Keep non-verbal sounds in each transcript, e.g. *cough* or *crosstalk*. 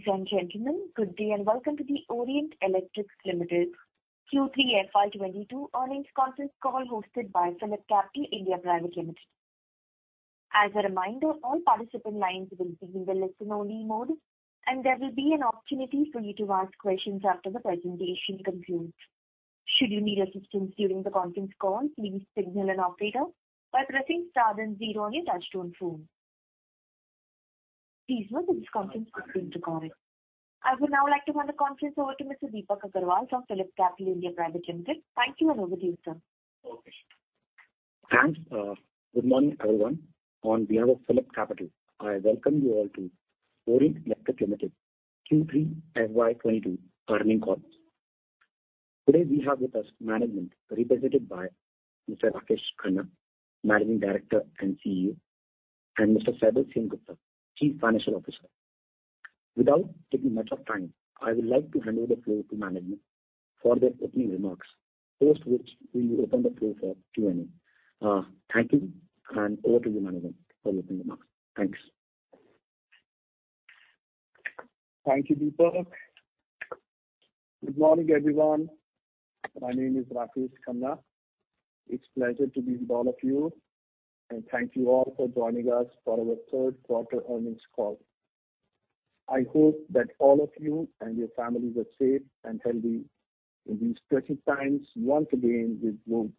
Ladies and gentlemen, good day and welcome to the Orient Electric Limited's Q3 FY 2022 earnings conference call hosted by PhillipCapital India Private Limited. As a reminder, all participant lines will be in the listen-only mode, and there will be an opportunity for you to ask questions after the presentation concludes. Should you need assistance during the conference call, please signal an operator by pressing star then zero on your touchtone phone. Please note that this conference is being recorded. I would now like to hand the conference over to Mr. Deepak Agarwal, from PhillipCapital India Private Limited. Thank you, and over to you, sir. Okay. Thanks, good morning, everyone. On behalf of PhillipCapital, I welcome you all to Orient Electric Limited Q3 FY 2022 earnings call. Today we have with us management represented by Mr. Rakesh Khanna, Managing Director and CEO, and Mr. Saibal Sengupta, Chief Financial Officer. Without taking much of time, I would like to hand over the floor to management for their opening remarks, post which we will open the floor for Q&A. Thank you and over to the management for opening remarks. Thanks. Thank you, Deepak. Good morning, everyone. My name is Rakesh Khanna. It's a pleasure to be with all of you, and thank you all for joining us for our third quarter earnings call. I hope that all of you and your families are safe and healthy in these tricky times once again with the globe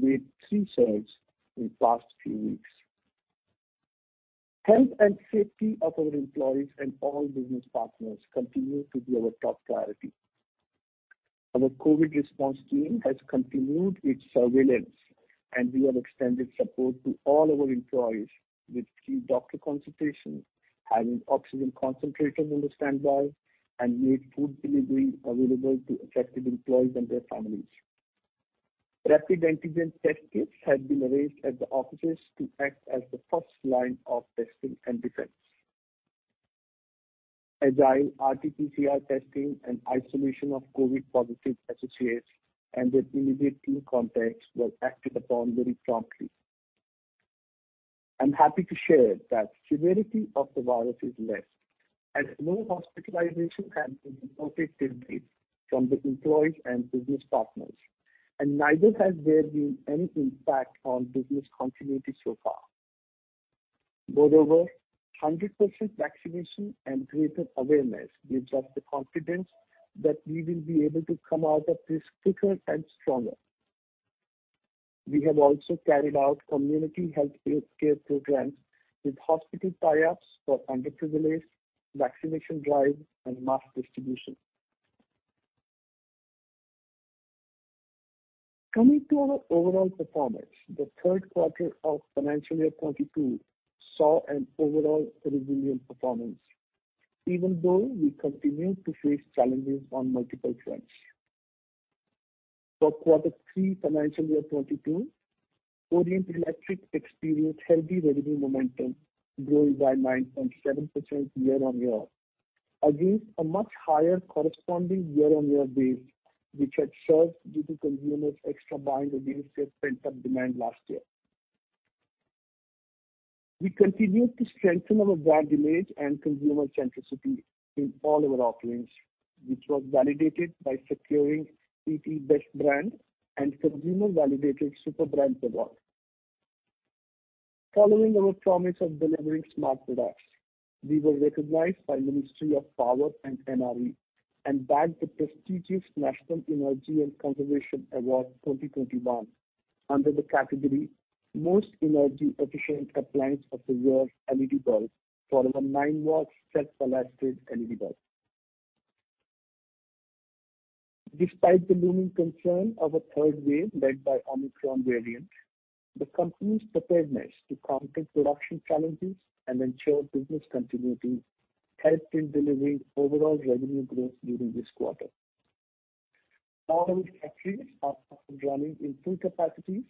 with three surges in the past few weeks. Health and safety of our employees and all business partners continue to be our top priority. Our COVID response team has continued its surveillance, and we have extended support to all our employees with free doctor consultations, having oxygen concentrators on the standby, and made food delivery available to affected employees and their families. Rapid antigen test kits have been arranged at the offices to act as the first line of testing and defense. Agile RT-PCR testing and isolation of COVID positive associates and their immediate team contacts was acted upon very promptly. I'm happy to share that severity of the virus is less as no hospitalization has been reported to date from the employees and business partners, and neither has there been any impact on business continuity so far. Moreover, 100% vaccination and greater awareness gives us the confidence that we will be able to come out of this quicker and stronger. We have also carried out community health care programs with hospital tie-ups for underprivileged, vaccination drive, and mask distribution. Coming to our overall performance, the third quarter of financial year 2022 saw an overall resilient performance, even though we continued to face challenges on multiple fronts. For Q3 FY 2022, Orient Electric experienced healthy revenue momentum, growing by 9.7% year-on-year against a much higher corresponding year-on-year base, which had surged due to consumers' extra buying related to pent-up demand last year. We continued to strengthen our brand image and consumer centricity in all our offerings, which was validated by securing ET Best Brand and consumer-validated Superbrand award. Following our promise of delivering smart products, we were recognized by Ministry of Power and MNRE and bagged the prestigious National Energy Conservation Award 2021 under the category Most Energy Efficient Appliance of the Year LED bulb for our 9-watt self-ballasted LED bulb. Despite the looming concern of a third wave led by Omicron variant, the company's preparedness to counter production challenges and ensure business continuity helped in delivering overall revenue growth during this quarter. All our factories are up and running in full capacities,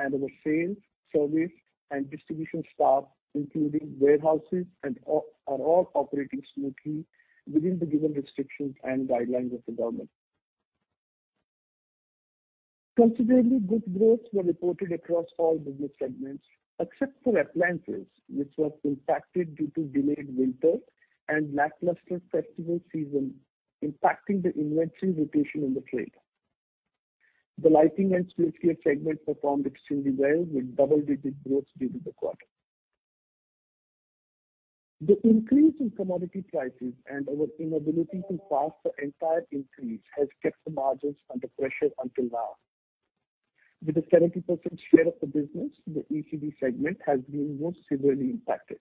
and our sales, service, and distribution staff, including warehouses, are all operating smoothly within the given restrictions and guidelines of the government. Considerably good growth were reported across all business segments, except for appliances, which was impacted due to delayed winter and lacklustre festival season impacting the inventory rotation in the trade. The lighting and switchgear segment performed extremely well with double-digit growth during the quarter. The increase in commodity prices and our inability to pass the entire increase has kept the margins under pressure until now. With a 70% share of the business, the ECD segment has been most severely impacted.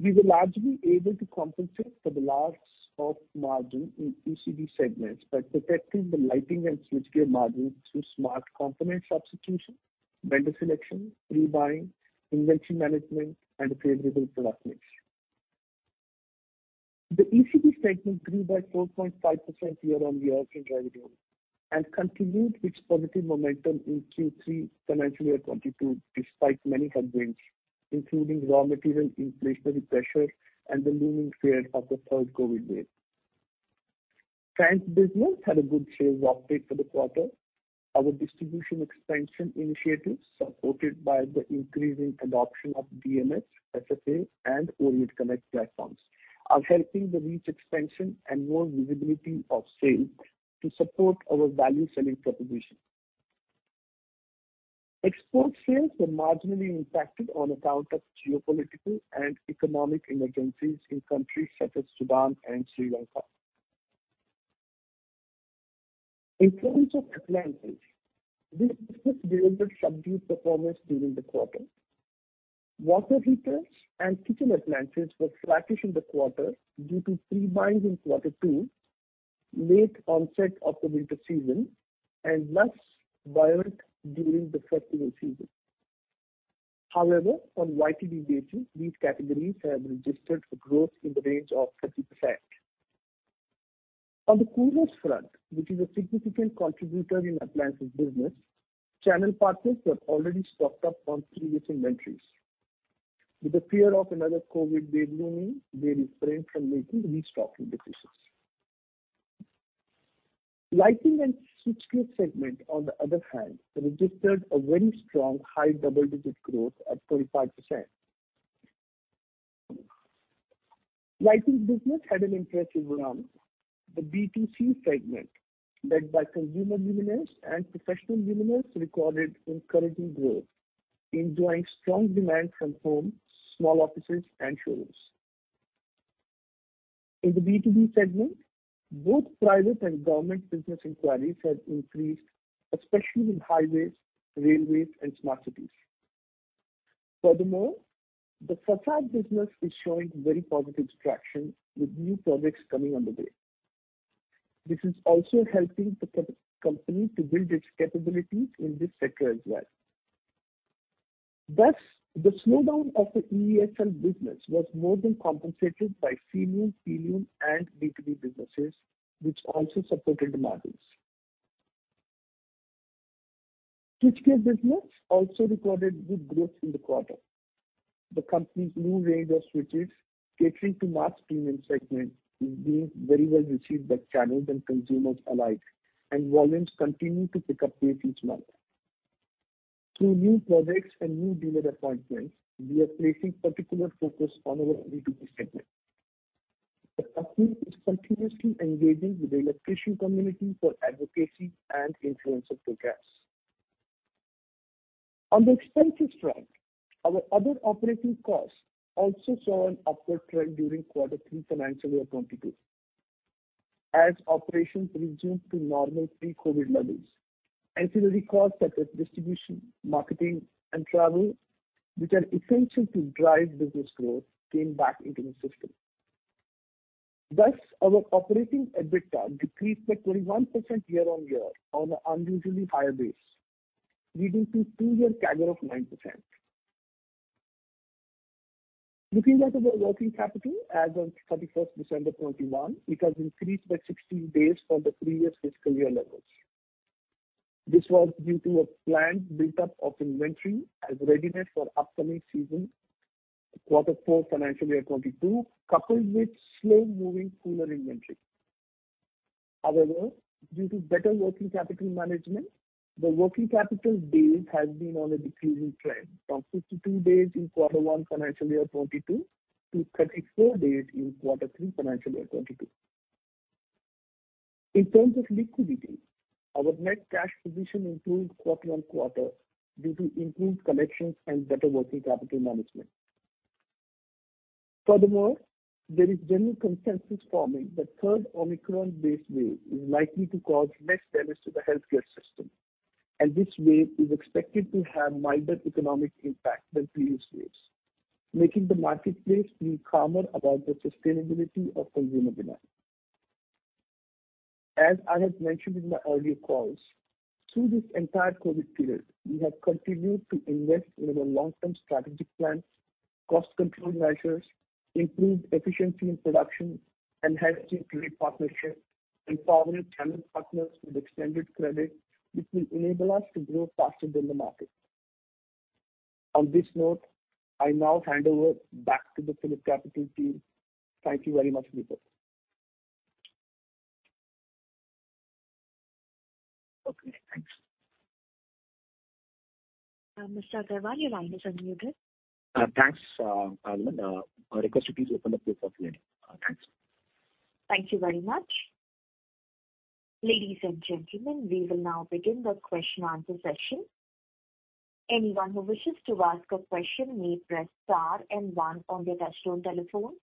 We were largely able to compensate for the loss of margin in ECD segments by protecting the lighting and switchgear margins through smart component substitution, vendor selection, rebuying, inventory management, and favorable product mix. The ECD segment grew by 4.5% year-on-year in revenue and continued its positive momentum in Q3 FY 2022 despite many headwinds, including raw material inflationary pressure and the looming fear of the third COVID wave. Fans business had a good sales update for the quarter. Our distribution expansion initiatives, supported by the increasing adoption of DMS, SFA, and Orient Connect platforms, are helping the reach expansion and more visibility of sales to support our value-selling proposition. Export sales were marginally impacted on account of geopolitical and economic emergencies in countries such as Sudan and Sri Lanka. In terms of appliances, this business delivered subdued performance during the quarter. Water heaters and kitchen appliances were sluggish in the quarter due to pre-buying in quarter two, late onset of the winter season and less buy work during the festival season. However, on YTD basis, these categories have registered a growth in the range of 30%. On the coolers front, which is a significant contributor in appliances business, channel partners were already stocked up on previous inventories. With the fear of another COVID wave looming, they refrained from making restocking purchases. Lighting and switchgear segment, on the other hand, registered a very strong high double-digit growth at 35%. Lighting business had an interesting run. The B2C segment, led by consumer luminaires and professional luminaires, recorded encouraging growth, enjoying strong demand from homes, small offices and showrooms. In the B2B segment, both private and government business inquiries have increased, especially in highways, railways, and smart cities. Furthermore, the facade business is showing very positive traction with new projects coming on the way. This is also helping the company to build its capabilities in this sector as well. Thus, the slowdown of the EESL business was more than compensated by fans, appliances and B2B businesses, which also supported the margins. Switchgear business also recorded good growth in the quarter. The company's new range of switches catering to mass premium segment is being very well received by channels and consumers alike, and volumes continue to pick up pace each month. Through new projects and new dealer appointments, we are placing particular focus on our B2B segment. The company is continuously engaging with the electrician community for advocacy and influencer programs. On the expenses front, our other operating costs also saw an upward trend during Q3 financial year 2022. As operations resumed to normal pre-COVID levels, ancillary costs such as distribution, marketing, and travel, which are essential to drive business growth, came back into the system. Thus, our operating EBITDA decreased by 21% year-on-year on an unusually high base, leading to two year CAGR of 9%. Looking at our working capital as of December 31, 2021, it has increased by 16 days from the previous fiscal year levels. This was due to a planned buildup of inventory in readiness for upcoming season, quarter four financial year 2022, coupled with slow-moving cooler inventory. However, due to better working capital management, the working capital days has been on a decreasing trend from 52 days in quarter one financial year 2022 to 34 days in quarter three financial year 2022. In terms of liquidity, our net cash position improved quarter-on-quarter due to improved collections and better working capital management. Furthermore, there is general consensus forming that third Omicron-based wave is likely to cause less damage to the healthcare system, and this wave is expected to have milder economic impact than previous waves, making the marketplace feel calmer about the sustainability of consumer demand. As I have mentioned in my earlier calls, through this entire COVID period, we have continued to invest in our long-term strategic plans, cost control measures, improved efficiency in production, enhanced key strategic partnerships, empowered channel partners with extended credit, which will enable us to grow faster than the market. On this note, I now hand over back to the PhillipCapital team. Thank you very much, people. Okay, thanks. Mr. Agarwal, your line is unmuted. Thanks, [Arimand]. I request you please open up the floor for Q&A. Thanks. Thank you very much. Ladies and gentlemen, we will now begin the question and answer session. Anyone who wishes to ask a question may press star and one on their touchtone telephone.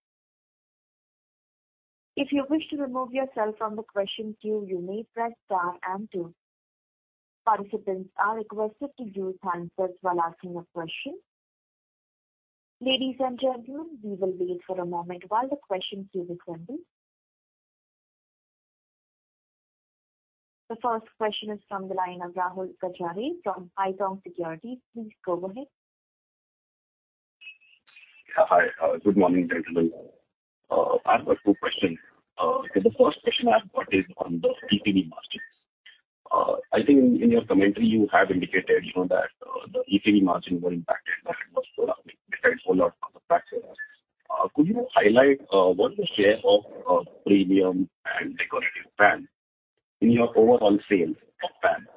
If you wish to remove yourself from the question queue, you may press star and two. Participants are requested to use handsets while asking a question. Ladies and gentlemen, we will wait for a moment while the question queue assembles. The first question is from the line of Rahul Gajare from Haitong Securities. Please go ahead. Hi. Good morning, gentlemen. I have a few questions. The first question I've got is on the ECD margins. I think in your commentary, you have indicated, you know, that the ECD margin were impacted a lot of the factors. Could you highlight what is the share of premium and decorative fans in your overall sales of fans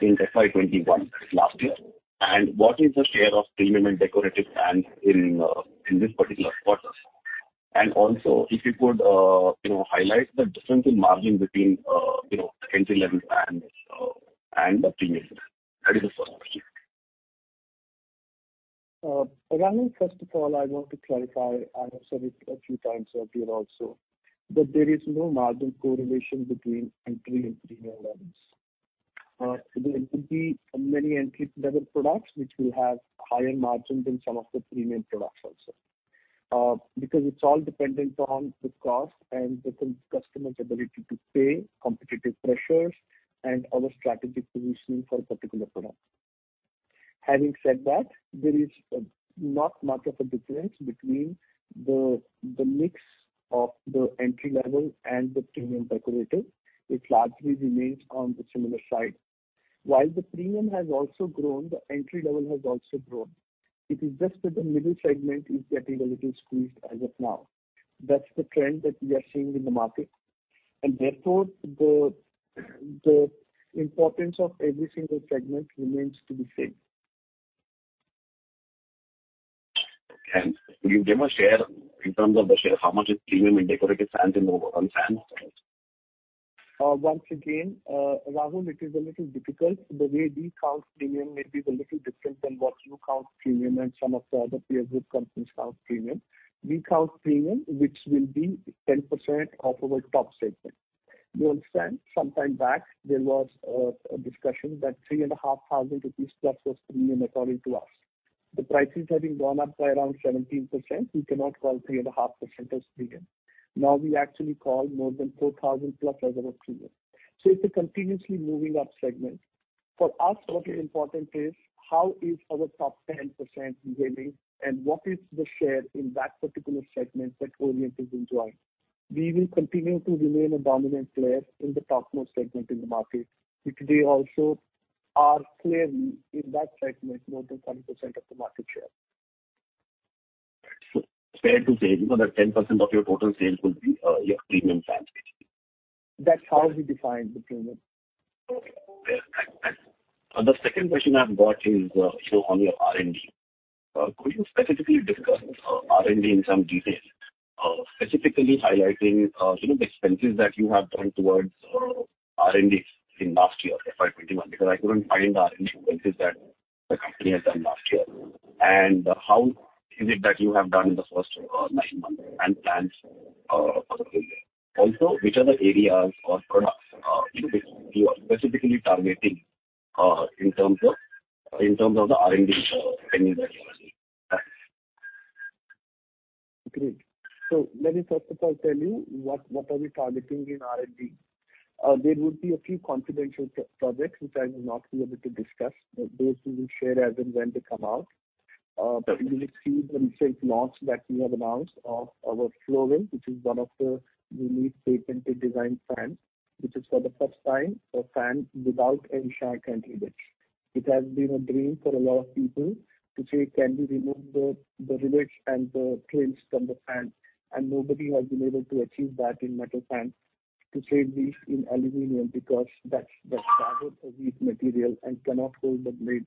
since FY 2021 last year, and what is the share of premium and decorative fans in this particular quarter? Also if you could, you know, highlight the difference in margin between the entry-level fans and the premium fans. That is the first question. Rahul, first of all, I want to clarify, I have said it a few times earlier also, that there is no margin correlation between entry and premium levels. There could be many entry level products which will have higher margins than some of the premium products also. Because it's all dependent on the cost and the customer's ability to pay, competitive pressures and other strategic positioning for a particular product. Having said that, there is not much of a difference between the mix of the entry level and the premium decorative. It largely remains on the similar side. While the premium has also grown, the entry level has also grown. It is just that the middle segment is getting a little squeezed as of now. That's the trend that we are seeing in the market and therefore the importance of every single segment remains the same. Could you give a share in terms of the share, how much is premium and decorative fans in the overall fans sales? Once again, Rahul, it is a little difficult. The way we count premium may be a little different than what you count premium and some of the other peer group companies count premium. We count premium which will be 10% of our top segment. You understand, sometime back there was a discussion that 3,500 rupees plus was premium according to us. The prices having gone up by around 17%, we cannot call 3,500 as premium. Now we actually call more than 4,000 plus as our premium. It's a continuously moving up segment. For us, what is important is how is our top 10% behaving and what is the share in that particular segment that Orient is enjoying. We will continue to remain a dominant player in the topmost segment in the market, which they also are clearly in that segment, more than 10% of the market share. Fair to say, you know, that 10% of your total sales will be your premium fans. That's how we define the premium. The second question I've got is, you know, on your R&D. Could you specifically discuss R&D in some detail, specifically highlighting, you know, the expenses that you have done towards R&D in last year, FY 2021, because I couldn't find R&D expenses that the company has done last year. How is it that you have done in the first nine months and plans for the full year. Also, which are the areas or products you are specifically targeting in terms of the R&D spending that you are doing? Thanks. Great. Let me first of all tell you what are we targeting in R&D. There would be a few confidential projects which I will not be able to discuss. Those we will share as and when they come out. You will see the safe launch that we have announced of our i-Floral, which is one of the unique patented design fans, which is for the first time a fan without any shank and rivets. It has been a dream for a lot of people to say, can we remove the rivets and the trims from the fans? Nobody has been able to achieve that in metal fans to have these in aluminum because that's the nature of this material and cannot hold the blade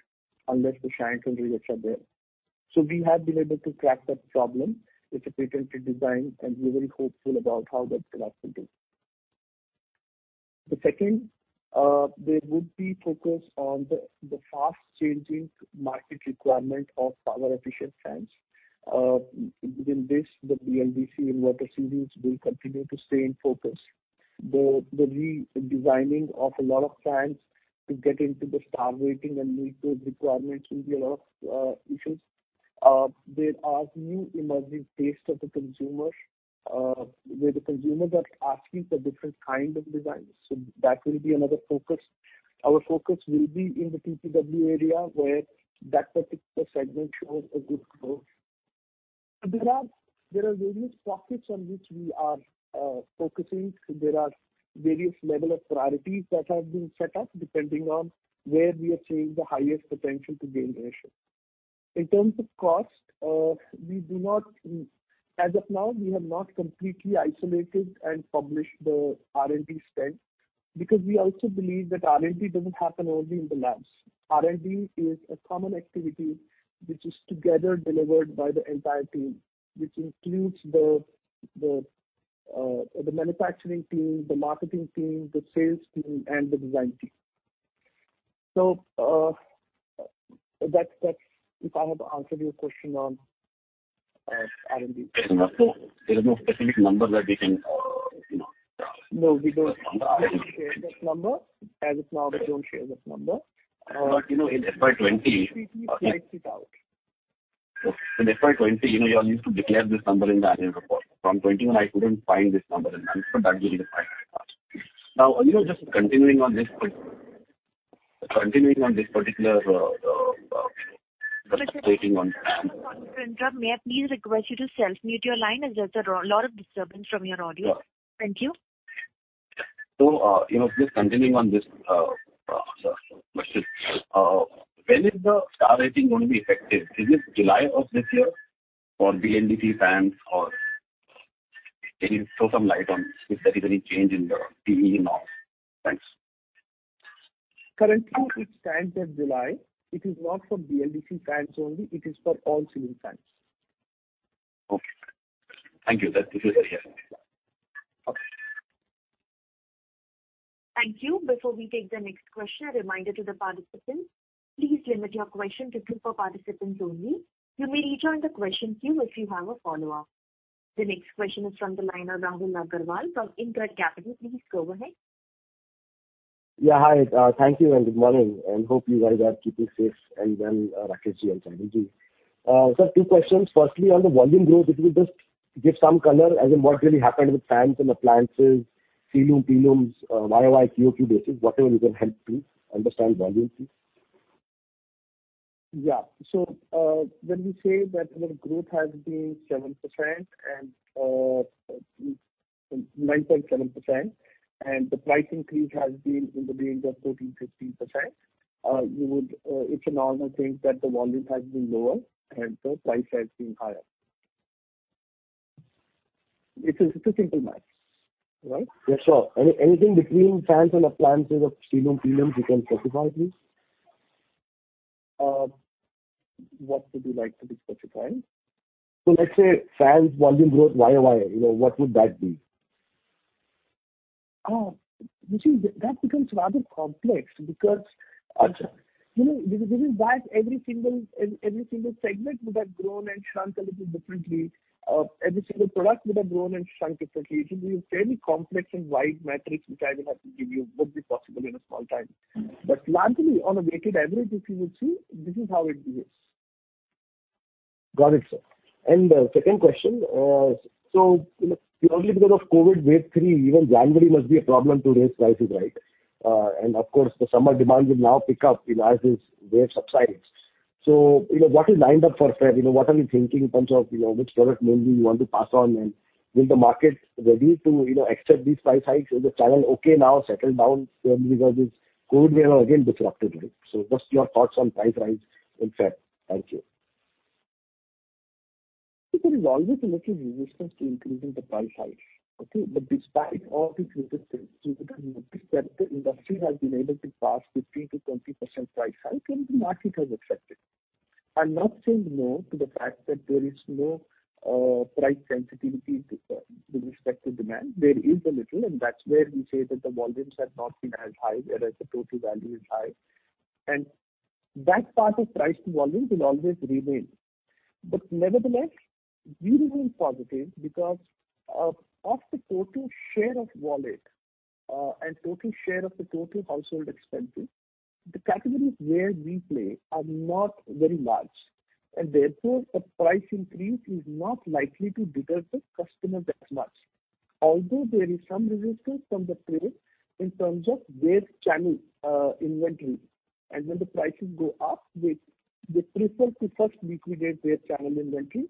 unless the shank and rivets are there. We have been able to crack that problem with a patented design, and we are very hopeful about how that product will do. The second, there would be focus on the fast changing market requirement of power efficient fans. Within this, the BLDC and IoT series will continue to stay in focus. The re-designing of a lot of fans to get into the star rating and meet those requirements will be a lot of issues. There are new emerging taste of the consumer, where the consumers are asking for different kind of designs. That will be another focus. Our focus will be in the TPW area where that particular segment shows a good growth. There are various pockets on which we are focusing. There are various levels of priorities that have been set up depending on where we are seeing the highest potential to gain ratio. In terms of cost, as of now, we have not completely isolated and published the R&D spend because we also believe that R&D doesn't happen only in the labs. R&D is a common activity which is together delivered by the entire team, which includes the manufacturing team, the marketing team, the sales team and the design team. That's if I have answered your question on R&D. There is no specific number that we can, you know. No, we don't share this number. As of now, we don't share this number. You know, in FY 2020. We keep it out. In FY 2020, you know, you all used to declare this number in the annual report. From 2021 I couldn't find this number in annual, so that's really the point I asked. Now, you know, just continuing on this particular, you know, the separating on. [Chandra], may I please request you to self-mute your line as there's a lot of disturbance from your audio. Thank you. You know, just continuing on this question. When is the star rating going to be effective? Is it July of this year for BLDC fans or can you throw some light on if there is any change in the BEE norms? Thanks. Currently it stands at July. It is not for BLDC fans only, it is for all ceiling fans. Okay. Thank you. That's clear. Thank you. Before we take the next question, a reminder to the participants, please limit your question to two per participants only. You may rejoin the question queue if you have a follow-up. The next question is from the line of Rahul Agarwal from InCred Capital. Please go ahead. Hi. Thank you, and good morning, and I hope you guys are keeping safe and well, Rakesh and [Saibal]. Sir, two questions. Firstly, on the volume growth, if you could just give some color as in what really happened with fans and appliances, ceiling, [premiums], YOY, QOQ basis, whatever you can help to understand volume, please. Yeah. When we say that our growth has been 7% and 9.7%, and the price increase has been in the range of 14%-15%, you would, it's a normal thing that the volume has been lower and the price has been higher. It's a simple math, right? Yes, sure. Anything between fans and appliances of ceiling fans you can specify please? What would you like to be specified? Let's say fans volume growth YOY, you know, what would that be? Oh. You see that becomes rather complex because. You know, this is why every single segment would have grown and shrunk a little differently. Every single product would have grown and shrunk differently. It will be a fairly complex and wide matrix which I will have to give you. It won't be possible in a small time. Largely on a weighted average, if you would see, this is how it behaves. Got it, sir. Second question. You know, purely because of COVID wave three, even January must be a problem to raise prices, right? Of course, the summer demand will now pick up, you know, as this wave subsides. You know, what is lined up for Feb? You know, what are we thinking in terms of, you know, which product mainly you want to pass on? And will the market be ready to, you know, accept these price hikes? Is the channel okay now, settled down because this COVID wave again disrupted it. Just your thoughts on price rise in Feb. Thank you. There is always a little resistance to increasing the price hike. Okay. Despite all these resistance, this sector industry has been able to pass 15%-20% price hike and the market has accepted. I'm not saying no to the fact that there is no price sensitivity with respect to demand. There is a little, and that's where we say that the volumes have not been as high, whereas the total value is high. That part of price to volume will always remain. Nevertheless we remain positive because of the total share of wallet and total share of the total household expenses, the categories where we play are not very large and therefore the price increase is not likely to deter the customer that much. Although there is some resistance from the trade in terms of their channel inventory and when the prices go up they prefer to first liquidate their channel inventory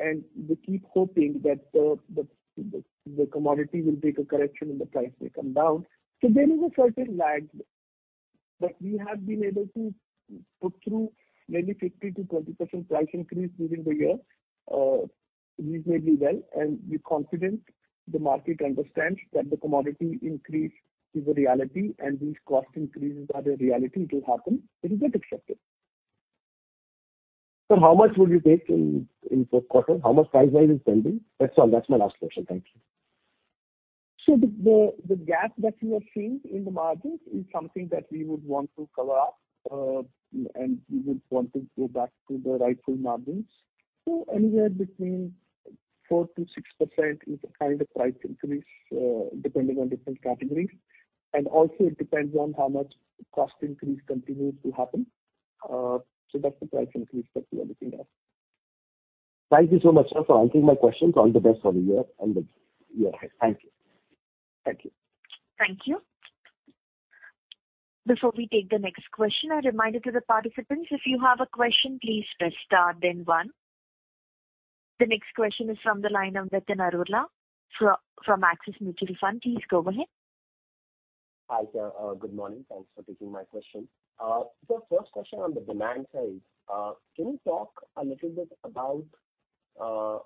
and they keep hoping that the commodity will take a correction and the price may come down. There is a certain lag, but we have been able to put through maybe 15%-20% price increase during the year, reasonably well. We're confident the market understands that the commodity increase is a reality and these cost increases are a reality, it will happen, it will get accepted. How much would you take in fourth quarter? How much price rise is pending? That's all. That's my last question. Thank you. The gap that you are seeing in the margins is something that we would want to cover up, and we would want to go back to the rightful margins. Anywhere between 4%-6% is a kind of price increase, depending on different categories. Also it depends on how much cost increase continues to happen. That's the price increase that we are looking at. Thank you so much, sir, for answering my questions. All the best for the year and the year ahead. Thank you. Thank you. Thank you. Before we take the next question, a reminder to the participants, if you have a question, please press star then one. The next question is from the line of Nitin Arora from Axis Mutual Fund. Please go ahead. Hi, sir. Good morning. Thanks for taking my question. First question on the demand side. Can you talk a little bit about,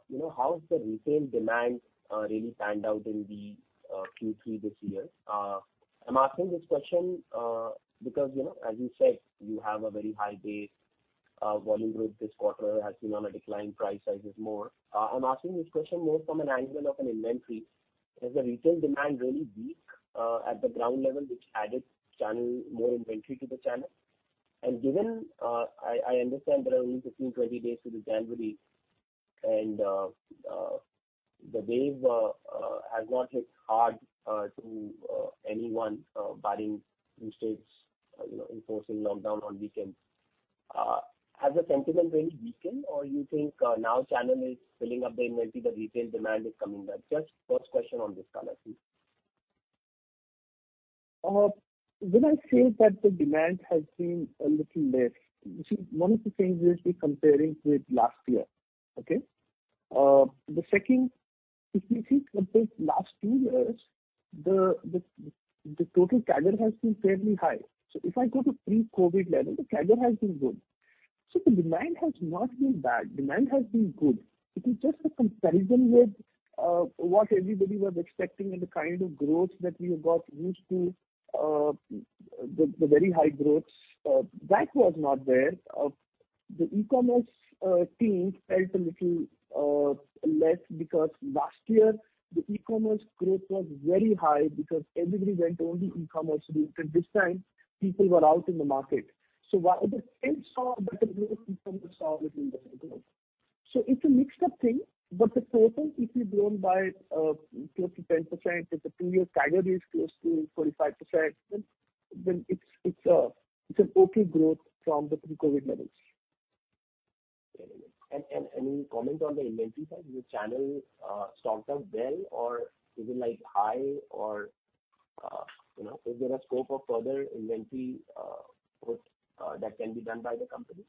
you know, how is the retail demand really panned out in the Q3 this year? I'm asking this question because, you know, as you said, you have a very high base, volume growth this quarter has been on a decline, price rise is more. I'm asking this question more from an angle of an inventory. Is the retail demand really weak at the ground level which added more inventory to the channel? Given I understand there are only 15, 20 days till the January and the wave has not hit hard to anyone barring few states, you know, enforcing lockdown on weekends. Has the sentiment really weakened or you think now channel is filling up the inventory, the retail demand is coming back? Just first question on this color, please. When I say that the demand has been a little less, you see one of the things is we're comparing to it last year. The second, if you see compared to last two years, the total CAGR has been fairly high. So if I go to pre-COVID level, the CAGR has been good. So the demand has not been bad. Demand has been good. It is just the comparison with what everybody was expecting and the kind of growth that we have got used to, the very high growth that was not there. The e-commerce team felt a little less because last year the e-commerce growth was very high because everybody went only e-commerce route and this time people were out in the market. So while the sales saw a better growth, e-commerce saw a little less growth. It's a mixed-up thing, but the total if you've grown by close to 10%, if the two-year CAGR is close to 45%, then it's a total growth from the pre-COVID levels. Any comment on the inventory side? Is the channel stocked up well or is it like high or, you know, is there a scope of further inventory growth that can be done by the company?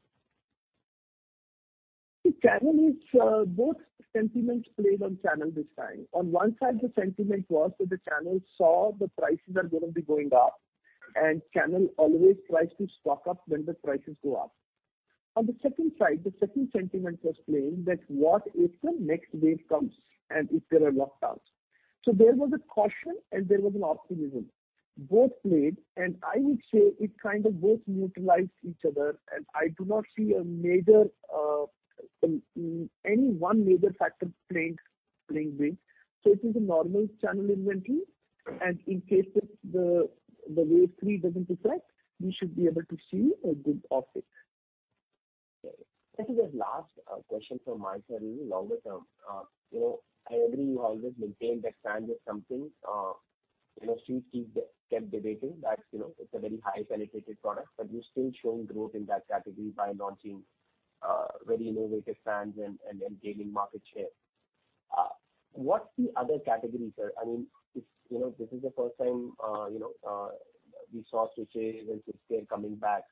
The channel is both sentiments played on channel this time. On one side, the sentiment was that the channel saw the prices are gonna be going up and channel always tries to stock up when the prices go up. On the second side, the second sentiment was playing that what if the next wave comes and if there are lockdowns. There was a caution and there was an optimism. Both played, and I would say it kind of both neutralized each other, and I do not see a major any one major factor playing big. It is a normal channel inventory and in case if the wave three doesn't affect, we should be able to see a good offtake. Okay. This is the last question from my side. A little longer term. You know, I agree you always maintain that fans is something, you know, experts keep debating. That's, you know, it's a very high penetrated product, but you're still showing growth in that category by launching very innovative fans and gaining market share. What's the other category, sir? I mean, if, you know, this is the first time, you know, we saw switches and switchgear coming back.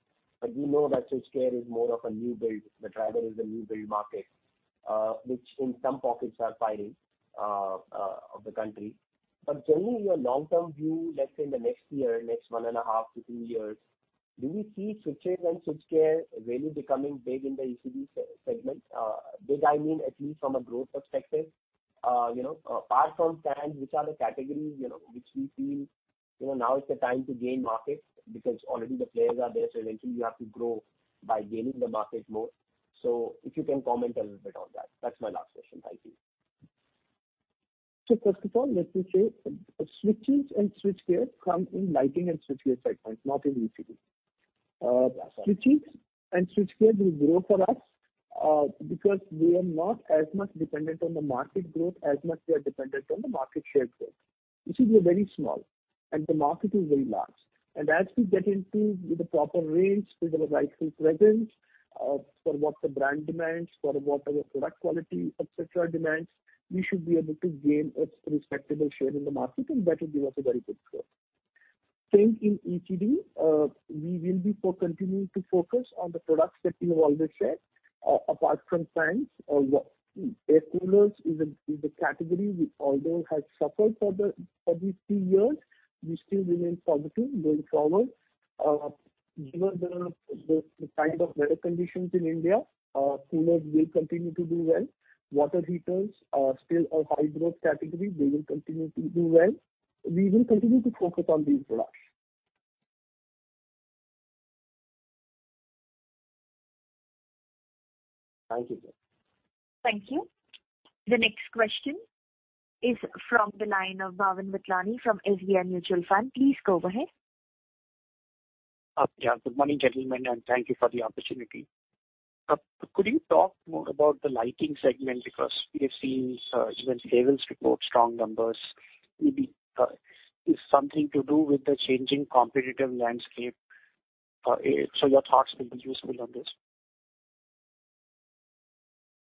We know that switchgear is more of a new build. The driver is a new build market, which in some pockets of the country. Generally your long-term view, let's say in the next year, next one and a half to two years, do we see switches and switchgear really becoming big in the ECD segment? But I mean at least from a growth perspective. You know, apart from fans, which are the categories, you know, which we feel, you know, now is the time to gain market because already the players are there, so eventually you have to grow by gaining the market more. If you can comment a little bit on that. That's my last question. Thank you. First of all, let me say switches and switchgear come in lighting and switchgear segment, not in ECD. Sorry. Switches and switchgear will grow for us, because we are not as dependent on the market growth as we are on the market share growth. You see, we are very small and the market is very large. As we get into with the proper range, with our rightful presence, for what the brand demands, for what our product quality, et cetera, demands, we should be able to gain a respectable share in the market and that will give us a very good growth. Same in ECD. We will be continuing to focus on the products that we have always said. Apart from fans or air coolers is a category which although has suffered for these two years, we still remain positive going forward. Given the kind of weather conditions in India, coolers will continue to do well. Water heaters are still a high growth category. They will continue to do well. We will continue to focus on these products. Thank you, sir. Thank you. The next question is from the line of Bhavin Vithlani from SBI Mutual Fund. Please go ahead. Yeah. Good morning, gentlemen, and thank you for the opportunity. Could you talk more about the lighting segment? Because we have seen even Havells' report strong numbers. Maybe is something to do with the changing competitive landscape. Your thoughts will be useful on this.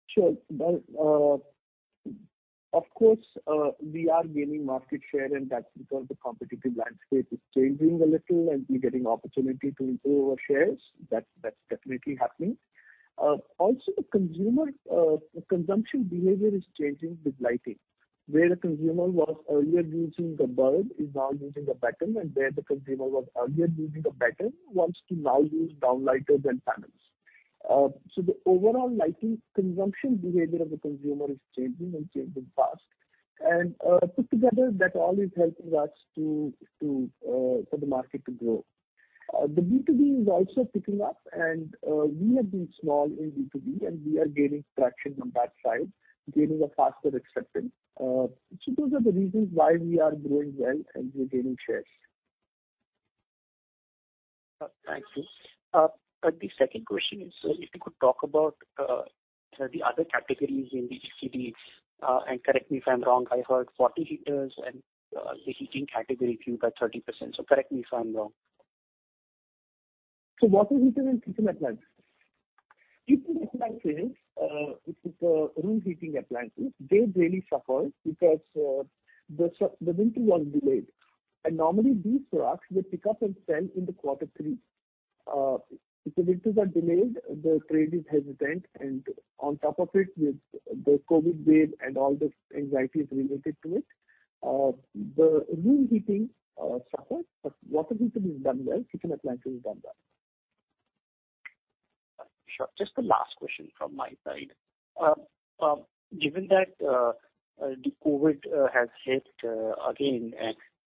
Sure. Well, of course, we are gaining market share, and that's because the competitive landscape is changing a little and we're getting opportunity to improve our shares. That's definitely happening. Also, the consumer's consumption behavior is changing with lighting. Where the consumer was earlier using the bulb is now using the batten, and where the consumer was earlier using a batten wants to now use downlights and panels. The overall lighting consumption behavior of the consumer is changing and changing fast. Put together, that all is helping us for the market to grow. The B2B is also picking up, and we have been small in B2B, and we are gaining traction on that side, gaining a faster acceptance. Those are the reasons why we are growing well and we're gaining shares. Thank you. The second question is, if you could talk about the other categories in the ECD. Correct me if I'm wrong, I heard water heaters and the heating category grew by 30%, so correct me if I'm wrong. Water heater and kitchen appliances. Kitchen appliances, which is room heating appliances, really suffered because the winter was delayed. Normally these products will pick up and sell in quarter three. Because winters are delayed, the trade is hesitant and on top of it with the COVID wave and all those anxieties related to it, the room heating suffered. Water heater has done well. Kitchen appliances has done well. Sure. Just the last question from my side. Given that the COVID has hit again,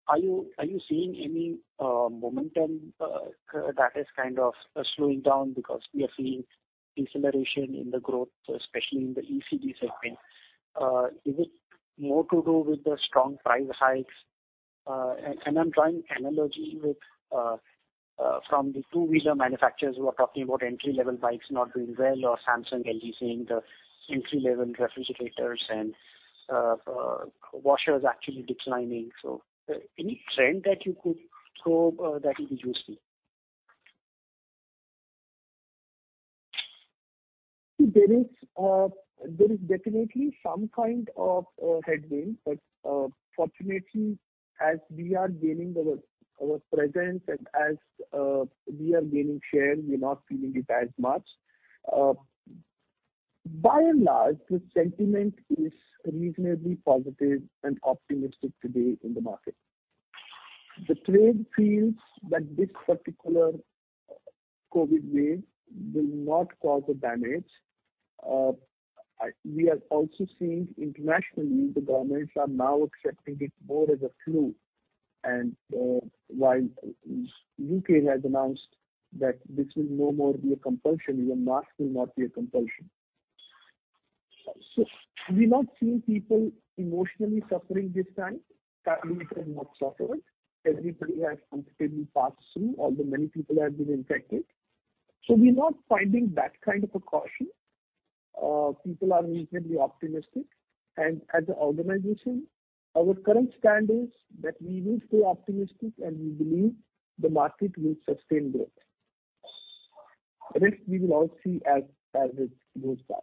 are you seeing any momentum that is kind of slowing down because we are seeing deceleration in the growth, especially in the ECD segment? Is it more to do with the strong price hikes? And I'm drawing analogy with from the two-wheeler manufacturers who are talking about entry-level bikes not doing well or Samsung, LG saying the entry-level refrigerators and washers actually declining. Any trend that you could throw that will be useful. There is definitely some kind of headwind, but fortunately, as we are gaining our presence and as we are gaining share, we're not feeling it as much. By and large, the sentiment is reasonably positive and optimistic today in the market. The trade feels that this particular COVID wave will not cause a damage. We are also seeing internationally the governments are now accepting it more as a flu. While U.K. has announced that this will no more be a compulsion, your mask will not be a compulsion. We're not seeing people emotionally suffering this time. Families have not suffered. Everybody has comfortably passed through, although many people have been infected. We're not finding that kind of a caution. People are reasonably optimistic. As an organization, our current stand is that we will stay optimistic and we believe the market will sustain growth. The rest we will all see as it goes by.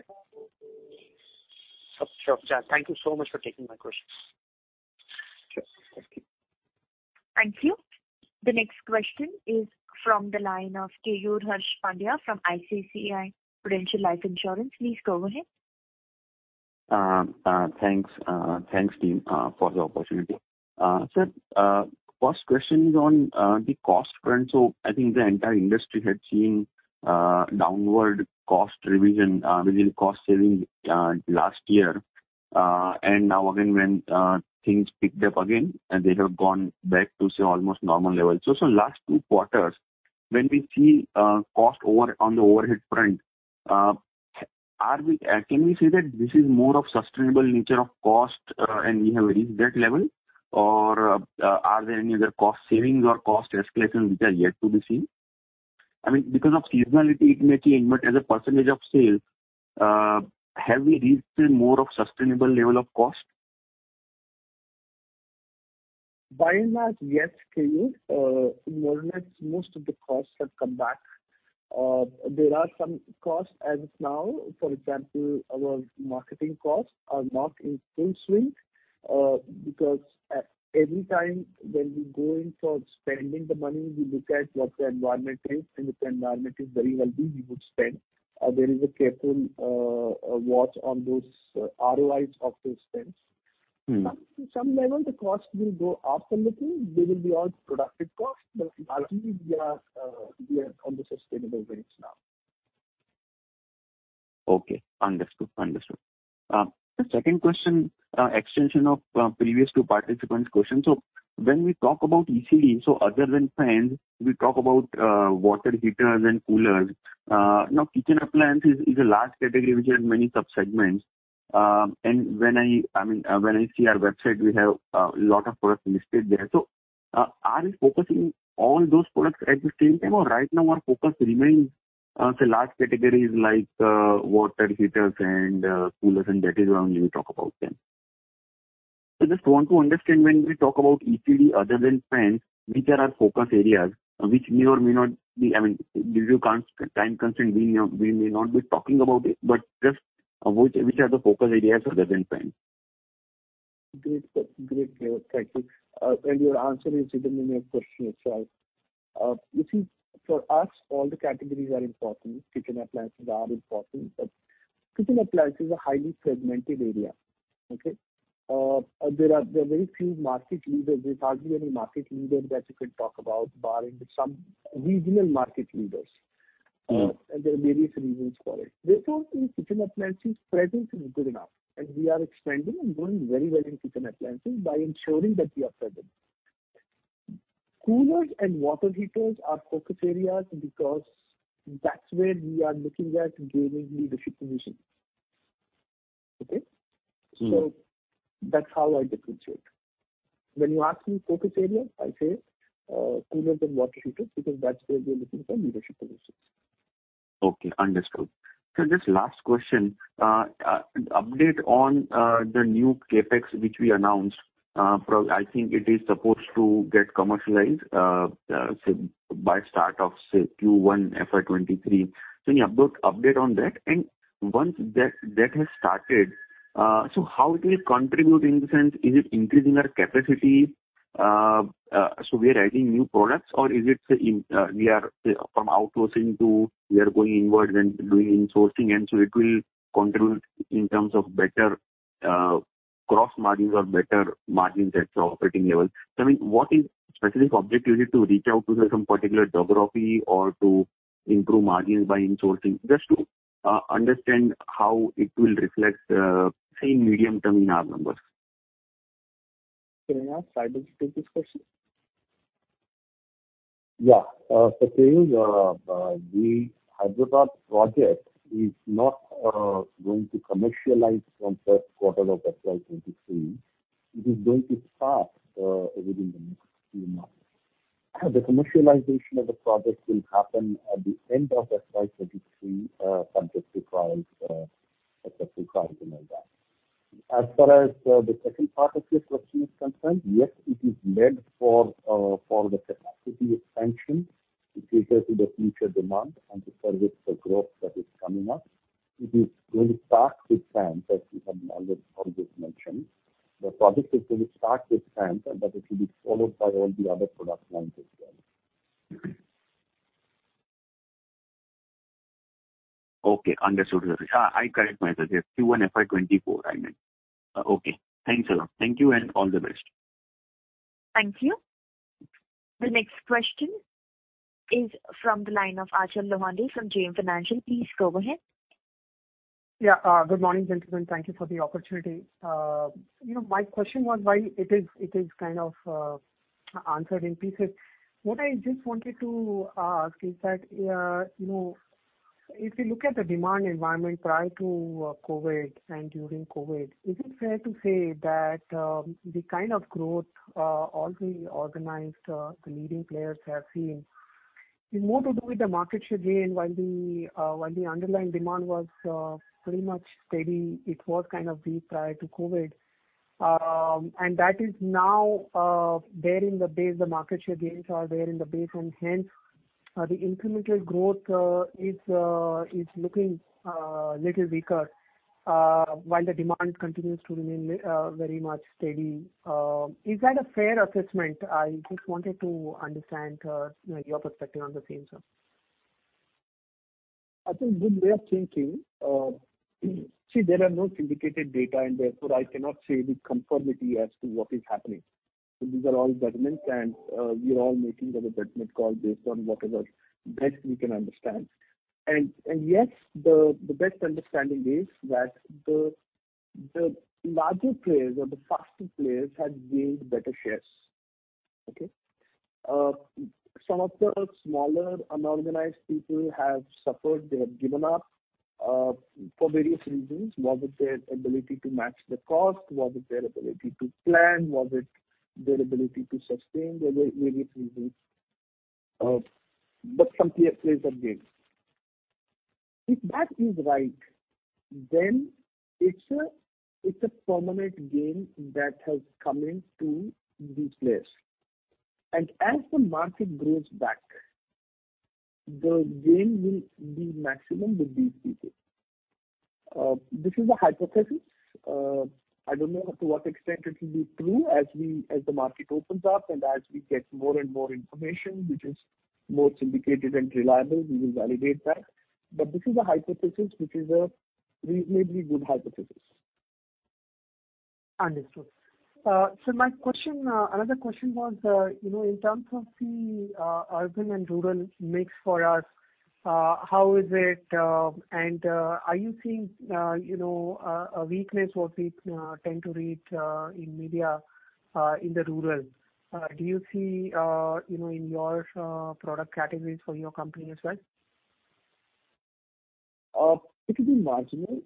Sure. Thank you so much for taking my questions. Sure. Thank you. Thank you. The next question is from the line of Keyur Harsh Pandya from ICICI Prudential Life Insurance. Please go ahead. Thanks team for the opportunity. Sir, first question is on the cost front. I think the entire industry had seen downward cost revision, cost savings last year. Now again when things picked up again and they have gone back to say almost normal levels. Last two quarters when we see cost over on the overhead front, can we say that this is more of sustainable nature of cost, and we have reached that level? Or are there any other cost savings or cost escalations which are yet to be seen? I mean, because of seasonality it may change, but as a percentage of sales, have we reached a more of sustainable level of cost? By and large, yes, Keyur. More or less most of the costs have come back. There are some costs as of now, for example, our marketing costs are not in full swing, because every time when we go in for spending the money, we look at what the environment is, and if the environment is very healthy, we would spend. There is a careful watch on those ROIs of those spends. Mm-hmm. Some level the costs will go up a little. They will be all product costs. Largely we are on the sustainable range now. Okay. Understood. The second question, extension of previous two participants' question. When we talk about ECD, other than fans, we talk about water heaters and coolers. Now kitchen appliance is a large category which has many subsegments. I mean, when I see our website, we have lot of products listed there. Are we focusing all those products at the same time, or right now our focus remains, say large categories like water heaters and coolers, and that is why only we talk about them? Just want to understand when we talk about ECD other than fans, which are our focus areas which may or may not be, I mean, due to time constraint, we may not be talking about it, but just which are the focus areas other than fans? Great. Great, Keyur. Thank you. Your answer is hidden in your question itself. You see, for us all the categories are important. Kitchen appliances are important. Kitchen appliances are a highly fragmented area. Okay. There are very few market leaders. There's hardly any market leader that you can talk about barring some regional market leaders. There are various reasons for it. Therefore, in kitchen appliances presence is good enough, and we are expanding and doing very well in kitchen appliances by ensuring that we are present. Coolers and water heaters are focus areas because that's where we are looking at gaining leadership position. Okay? Mm-hmm. That's how I differentiate. When you ask me focus area, I say, coolers and water heaters because that's where we are looking for leadership position. Okay, understood. Just last question. An update on the new CapEx which we announced. I think it is supposed to get commercialized, say by start of, say, Q1 FY 2023. Any update on that? Once that has started, how it will contribute in the sense is it increasing our capacity? We are adding new products or is it, say, in, we are from outsourcing to we are going inwards and doing insourcing, and so it will contribute in terms of better gross margins or better margins at the operating level. I mean, what is specific objective? Is it to reach out to some particular geography or to improve margins by insourcing? Just to understand how it will reflect, say, medium term in our numbers. Saibal, can you take this question? Yeah. The Hyderabad project is not going to commercialize from first quarter of FY 2023. It is going to start within the next few months. The commercialization of the project will happen at the end of FY 2023, subject to trials, successful trials and all that. As far as the second part of your question is concerned, yes, it is meant for the capacity expansion to cater to the future demand and to service the growth that is coming up. It is going to start with fans, [as we have always] mentioned. The project is going to start with fans, but it will be followed by all the other product lines as well. Okay. Understood. I correct myself here. Q1 FY 2024, I meant. Okay. Thanks a lot. Thank you and all the best. Thank you. The next question is from the line of Achal Lohade from JM Financial. Please go ahead. Yeah. Good morning, gentlemen. Thank you for the opportunity. You know, my question was why it is kind of answered in pieces. What I just wanted to ask is that, you know, if you look at the demand environment prior to COVID and during COVID, is it fair to say that the kind of growth all the organized the leading players have seen is more to do with the market share gain while the underlying demand was pretty much steady. It was kind of weak prior to COVID. That is now there in the base, the market share gains are there in the base, and hence the incremental growth is looking little weaker while the demand continues to remain very much steady. Is that a fair assessment? I just wanted to understand, you know, your perspective on the same, sir. I think good way of thinking. See, there are no syndicated data and therefore I cannot say with certainty as to what is happening. These are all judgments and we are all making our judgment call based on whatever best we can understand. Yes, the best understanding is that the larger players or the faster players had gained better shares. Okay? Some of the smaller unorganized people have suffered. They have given up for various reasons, was it their ability to match the cost, was it their ability to plan, was it their ability to sustain. There were various reasons. Some players have gained. If that is right, then it's a permanent gain that has come in to these players. As the market grows back, the gain will be maximum with these people. This is a hypothesis. I don't know to what extent it will be true as the market opens up and as we get more and more information which is more syndicated and reliable, we will validate that. This is a hypothesis which is a reasonably good hypothesis. Understood. My question, another question was, you know, in terms of the urban and rural mix for us, how is it, and are you seeing, you know, a weakness what we tend to read in media in the rural? Do you see, you know, in your product categories for your company as well? It will be marginal.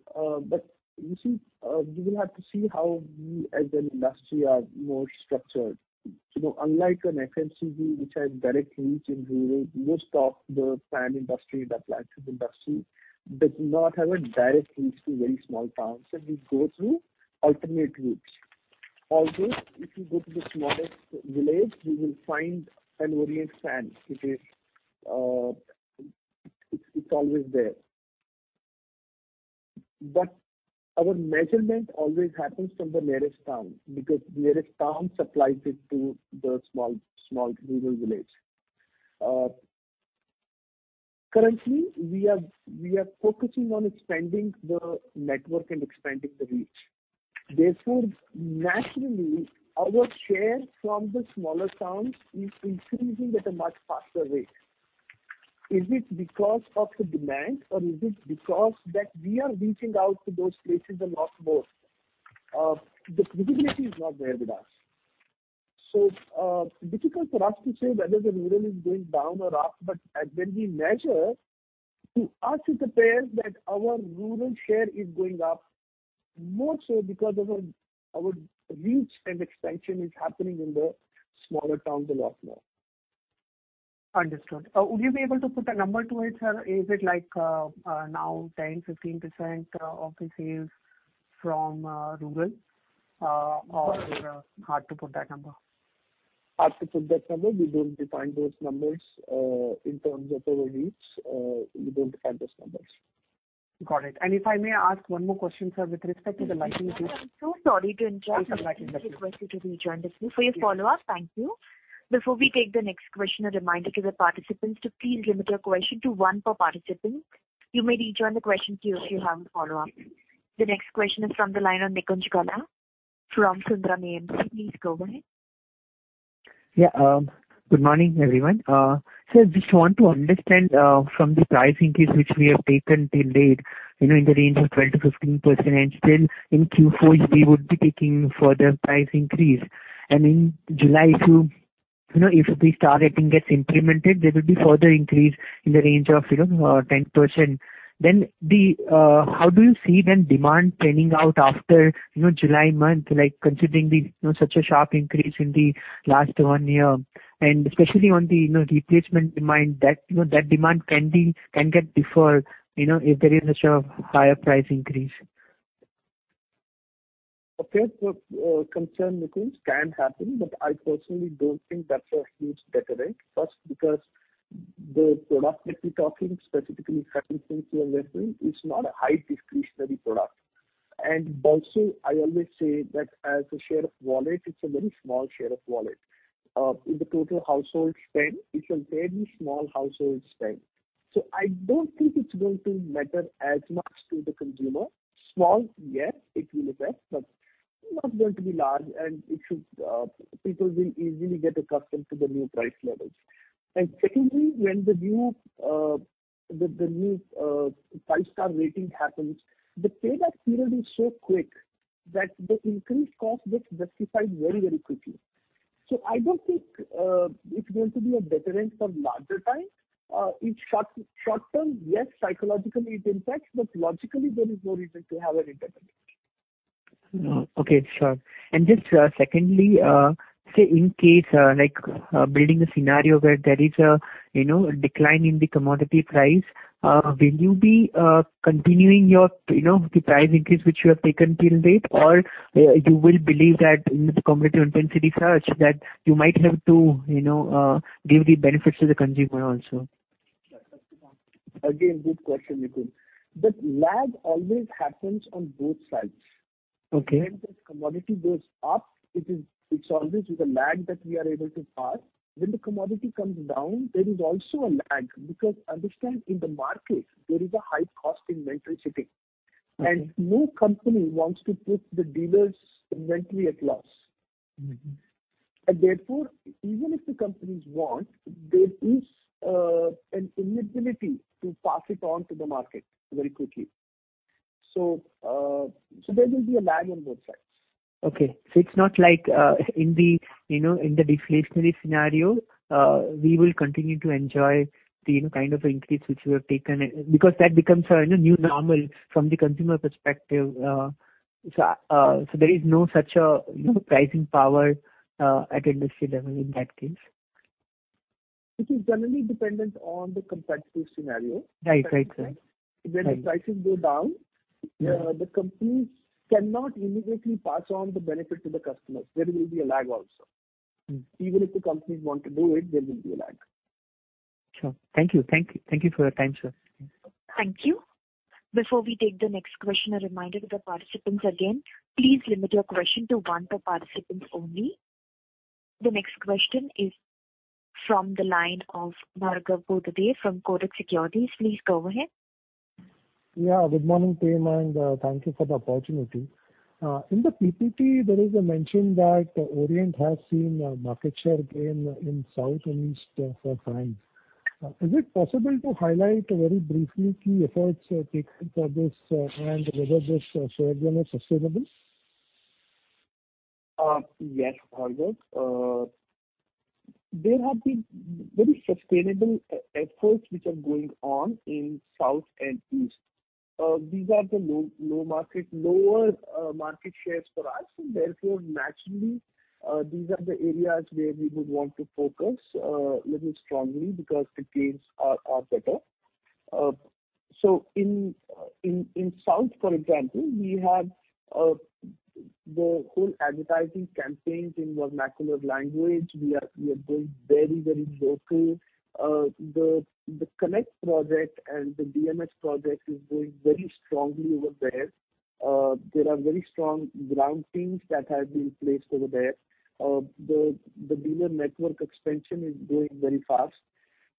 You see, you will have to see how we as an industry are more structured. You know, unlike an FMCG which has direct reach in rural, most of the fan industry, the lighting industry does not have a direct reach to very small towns, and we go through alternate routes. Also, if you go to the smallest village, you will find an Orient's fan. It is always there. Our measurement always happens from the nearest town because nearest town supplies it to the small rural village. Currently we are focusing on expanding the network and expanding the reach. Therefore, naturally, our share from the smaller towns is increasing at a much faster rate. Is it because of the demand or is it because that we are reaching out to those places a lot more? The visibility is not there with us. Difficult for us to say whether the rural is going down or up, but as when we measure, to us it appears that our rural share is going up. More so because of our reach and expansion is happening in the smaller towns a lot more. Understood. Would you be able to put a number to it, sir? Is it like now 10%-15% of the sales from rural or hard to put that number? Hard to put that number. We don't define those numbers in terms of our reach. We don't define those numbers. Got it. If I may ask one more question, sir, with respect to the lighting business. Sorry to interrupt. May I request you to rejoin the queue for your follow-up. Thank you. Before we take the next question, a reminder to the participants to please limit your question to one per participant. You may rejoin the question queue if you have a follow-up. The next question is from the line of Nikunj Gala from Sundaram AMC. Please go ahead. Yeah. Good morning, everyone. I just want to understand, from the pricing case which we have taken till date, you know, in the range of 10%-15%, and then in Q4 we would be taking further price increase. In July too, you know, if the star rating gets implemented, there will be further increase in the range of, you know, 10%. How do you see the demand trending out after, you know, July month, like considering the, you know, such a sharp increase in the last one year, and especially on the, you know, replacement demand that, you know, that demand trending can get deferred, you know, if there is such a higher price increase? Okay. [Concern], Nikunj, can happen, but I personally don't think that's a huge deterrent. First, because the product that we're talking about, specifically, *audio distortion* is not a high discretionary product. Also, I always say that as a share of wallet, it's a very small share of wallet. In the total household spend, it's a very small household spend. I don't think it's going to matter as much to the consumer. Small, yes, it will affect, but it's not going to be large. People will easily get accustomed to the new price levels. Secondly, when the new five-star rating happens, the payback period is so quick that the increased cost gets justified very, very quickly. I don't think it's going to be a deterrent in the longer term. In short term, yes, psychologically it impacts, but logically there is no reason to have an impact. Okay. Sure. Just, secondly, say in case, like, building a scenario where there is a, you know, decline in the commodity price, will you be continuing your, you know, the price increase which you have taken till date? Or, you will believe that, you know, the commodity intensity is such that you might have to, you know, give the benefits to the consumer also. Again, good question, Nikunj. The lag always happens on both sides. Okay. When the commodity goes up, it's always with a lag that we are able to pass. When the commodity comes down, there is also a lag, because understand, in the market there is a high cost inventory sitting. Okay. No company wants to put the dealer's inventory at loss. Mm-hmm. Therefore, even if the companies want, there is an inability to pass it on to the market very quickly. There will be a lag on both sides. Okay. It's not like, in the, you know, in the deflationary scenario, we will continue to enjoy the, you know, kind of increase which we have taken. Because that becomes a, you know, new normal from the consumer perspective. There is no such a, you know, pricing power, at industry level in that case? It is generally dependent on the competitive scenario. Right. Right, sir. When the prices go down. Yeah. The companies cannot immediately pass on the benefit to the customers. There will be a lag also. Mm-hmm. Even if the companies want to do it, there will be a lag. Sure. Thank you. Thank you for your time, sir. Thank you. Before we take the next question, a reminder to the participants again, please limit your question to one per participant only. The next question is from the line of Bhargav Buddhadev from Kotak Securities. Please go ahead. Yeah. Good morning to you, and thank you for the opportunity. In the PPT there is a mention that Orient has seen market share gain in South and East for lights. Is it possible to highlight very briefly key efforts taken for this, and *audio distortion* sustainable? Yes, Bhargav. There have been very sustainable efforts which are going on in South and East. These are the lower market shares for us, and therefore naturally, these are the areas where we would want to focus little strongly because the gains are better. In South, for example, we have the whole advertising campaigns in vernacular language. We are going very local. The Connect project and the DMS project is going very strongly over there. There are very strong ground teams that have been placed over there. The dealer network expansion is going very fast.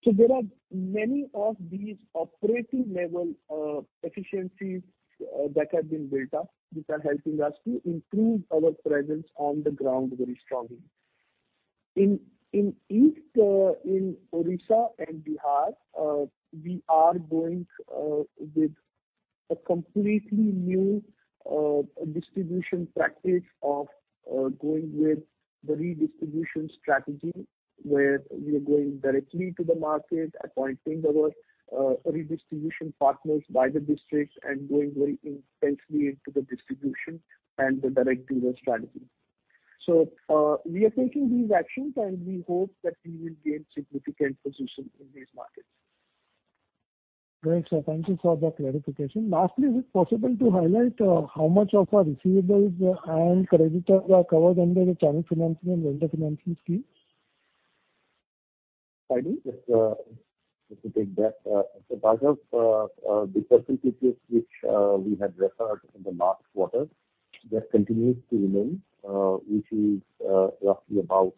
There are many of these operating level efficiencies that have been built up which are helping us to improve our presence on the ground very strongly. In East, in Odisha and Bihar, we are going with a completely new distribution practice of going with the redistribution strategy, where we are going directly to the market, appointing our redistribution partners by the district and going very intensely into the distribution and the direct dealer strategy. We are taking these actions, and we hope that we will gain significant position in these markets. Great, sir. Thank you for the clarification. Lastly, is it possible to highlight how much of our receivables and creditors are covered under the channel financing and vendor financing scheme? Pardon? Just to take that. So part of the percentages which we had referred in the last quarter, that continues to remain, which is roughly about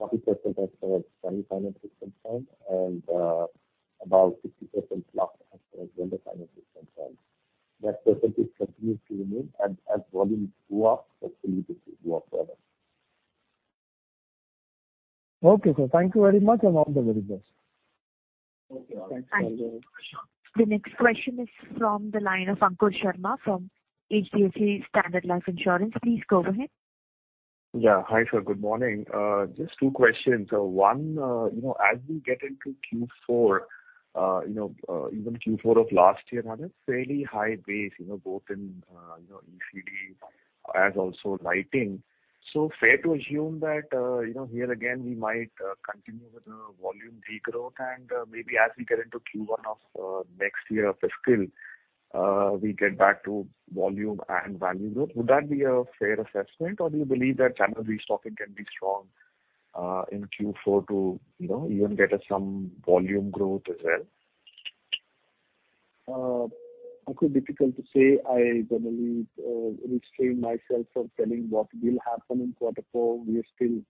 40% as per channel financing concern and about 60%+ as per vendor financing concern. That percentage continues to remain and as volumes go up, that will go up for us. Okay, sir. Thank you very much, and all the very best. Okay. Thanks. Thank you. The next question is from the line of Ankur Sharma from HDFC Standard Life Insurance. Please go ahead. Yeah. Hi, sir. Good morning. Just two questions. One, you know, as we get into Q4, you know, even Q4 of last year had a fairly high base, you know, both in ECD as also lighting. Fair to assume that, you know, here again we might continue with the volume degrowth and, maybe as we get into Q1 of next year fiscal, we get back to volume and value growth. Would that be a fair assessment or do you believe that channel restocking can be strong in Q4 to, you know, even get us some volume growth as well? Ankur, difficult to say. I generally restrain myself from telling what will happen in quarter four. We are still,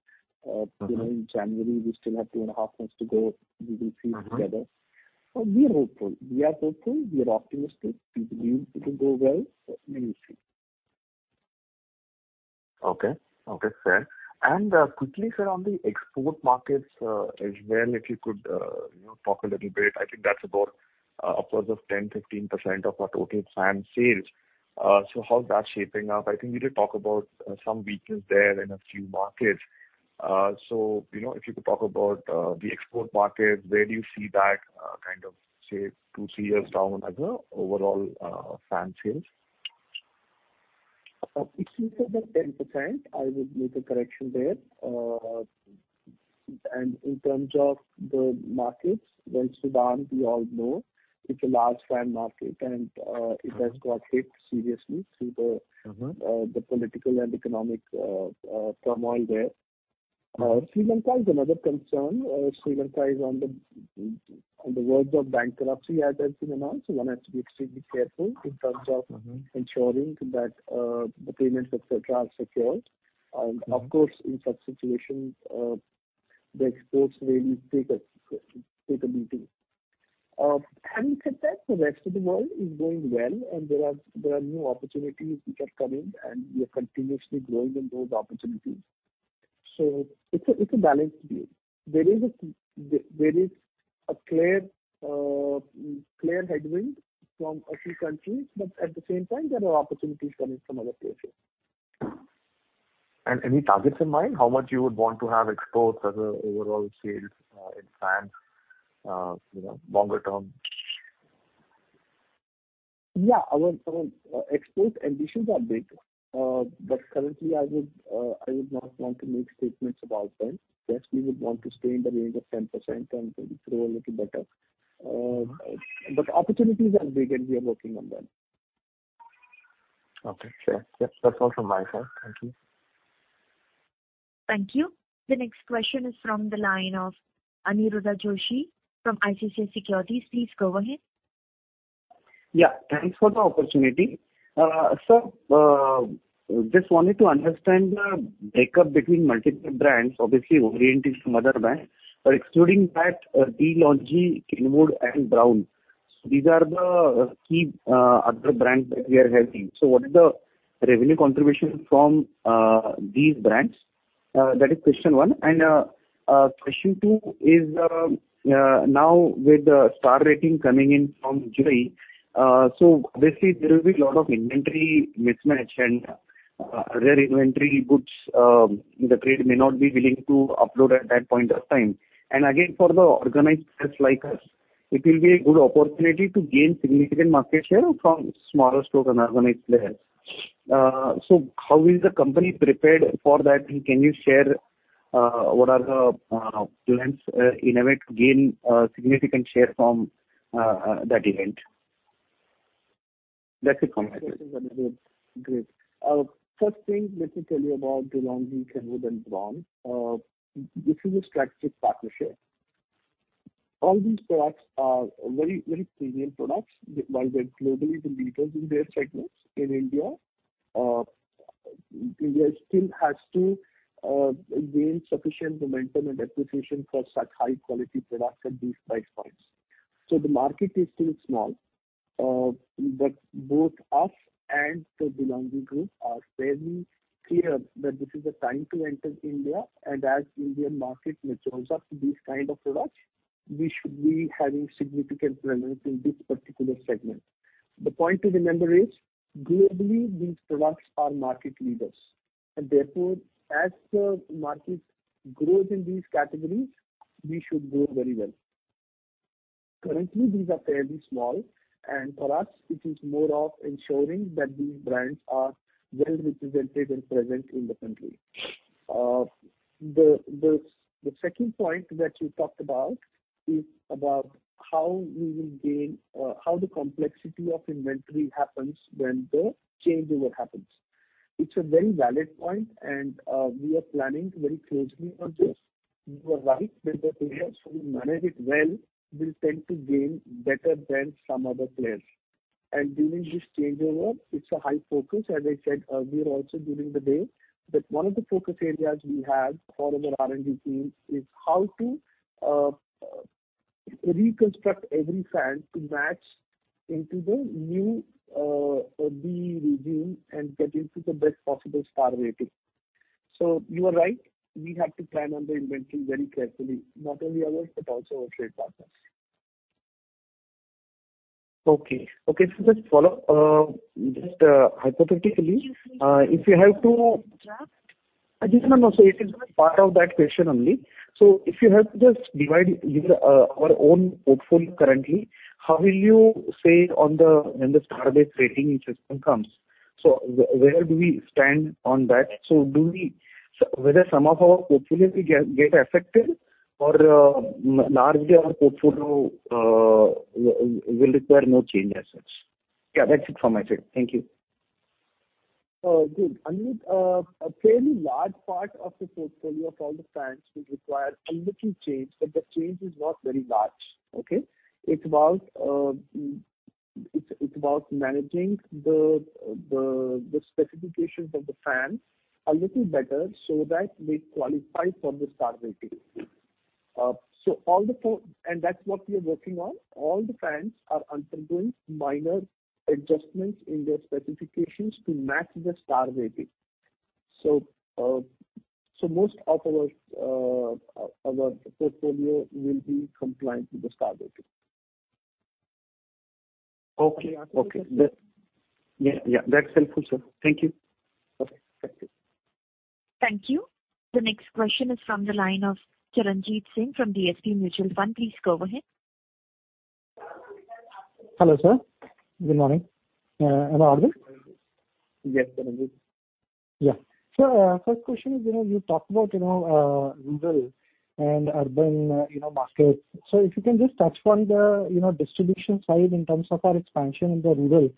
you know, in January, we still have two and a half months to go. We will see together. Mm-hmm. We are hopeful. We are optimistic. We believe it will go well, but we will see. Okay. Okay, fair. Quickly, sir, on the export markets, as well, if you could, you know, talk a little bit. I think that's about upwards of 10%-15% of our total fan sales. So how's that shaping up? I think you did talk about some weakness there in a few markets. So, you know, if you could talk about the export market, where do you see that kind of, say, two, three years down as a overall fan sales? If you said that 10%, I would make a correction there. In terms of the markets, well, summer, we all know it's a large fan market and it has got hit seriously through the. Mm-hmm. The political and economic turmoil there. Sri Lanka is another concern. Sri Lanka is on the verge of bankruptcy, as has been announced. One has to be extremely careful in terms of. Mm-hmm. Ensuring that, the payments, et cetera, are secured. Mm-hmm. Of course, in such situations, the exports really take a beating. Having said that, the rest of the world is doing well and there are new opportunities which are coming and we are continuously growing in those opportunities. It's a balanced view. There is a clear headwind from a few countries, but at the same time, there are opportunities coming from other places. Any targets in mind? How much you would want to have exports as a overall sales, in fans, you know, longer term? Yeah. Our export ambitions are big. Currently I would not want to make statements about them. Yes, we would want to stay in the range of 10% and maybe grow a little better. Opportunities are big and we are working on them. Okay. Sure. Yes. That's all from my side. Thank you. Thank you. The next question is from the line of Aniruddha Joshi from ICICI Securities. Please go ahead. Yeah. Thanks for the opportunity. Sir, just wanted to understand the breakdown between multiple brands, obviously Orient is your mother brand, but excluding that, De'Longhi, Kenwood and Braun. These are the key other brands that we are having. So what is the revenue contribution from these brands? That is question one. Question two is, now with the star rating coming in from July, so obviously there will be lot of inventory mismatch and their inventory goods, the trade may not be willing to offload at that point of time. Again, for the organized players like us, it will be a good opportunity to gain significant market share from smaller unorganized players. So how is the company prepared for that? Can you share what are the plans in a way to gain significant share from that event? That's it from my side. That is very good. Great. First thing, let me tell you about De'Longhi, Kenwood and Braun. This is a strategic partnership. All these products are very, very premium products. While they're globally the leaders in their segments in India still has to gain sufficient momentum and appreciation for such high quality products at these price points. The market is still small. Both us and the De'Longhi Group are very clear that this is the time to enter India. As Indian market matures up to these kind of products, we should be having significant presence in this particular segment. The point to remember is, globally these products are market leaders and therefore as the market grows in these categories, we should grow very well. Currently, these are fairly small, and for us it is more of ensuring that these brands are well represented and present in the country. The second point that you talked about is about how the complexity of inventory happens when the changeover happens. It's a very valid point, and we are planning very closely on this. You are right that the players who manage it well will tend to gain better than some other players. During this changeover, it's a high focus, as I said earlier also during the day, that one of the focus areas we have for our R&D team is how to reconstruct every fan to match into the new BEE regime and get into the best possible star rating. You are right, we have to plan on the inventory very carefully, not only ours, but also our trade partners. Okay, just hypothetically, if you have to, it is part of that question only. If you have to just divide your own portfolio currently, how will you say on that when the star-based rating system comes? Where do we stand on that? Whether some of our portfolio will get affected or larger portfolio will require no change as such? Yeah, that's it from my side. Thank you. Good. Aniruddha, a fairly large part of the portfolio of all the fans will require a little change, but the change is not very large. Okay? It's about managing the specifications of the fan a little better so that they qualify for the star rating. That's what we are working on. All the fans are undergoing minor adjustments in their specifications to match the star rating. Most of our portfolio will be compliant with the star rating. Okay. Yeah. That's helpful, sir. Thank you. Okay. Thank you. Thank you. The next question is from the line of Charanjit Singh from DSP Mutual Fund. Please go ahead. Hello, sir. Good morning. Am I audible? Yes, Charanjit. Yeah, first question is, you know, you talked about, you know, rural and urban, you know, markets. If you can just touch upon the, you know, distribution side in terms of our expansion in the rural.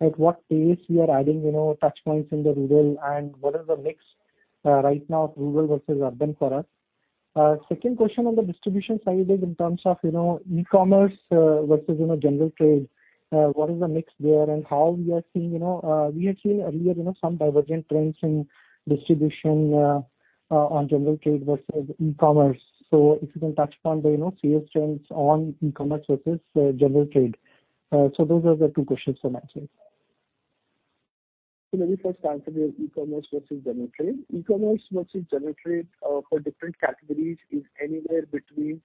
At what pace we are adding, you know, touch points in the rural, and what is the mix, right now of rural versus urban for us. Second question on the distribution side is in terms of, you know, e-commerce versus, you know, general trade. What is the mix there and how we are seeing earlier, you know, some divergent trends in distribution on general trade versus e-commerce. If you can touch upon the, you know, sales trends on e-commerce versus general trade. Those are the two questions from my side. Let me first answer your e-commerce versus general trade. E-commerce versus general trade, for different categories is anywhere between